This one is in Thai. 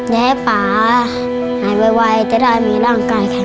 จะให้ป่าหายบ่อยจะได้มีร่างกายแข็งแรง